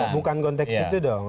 bukan konteks itu dong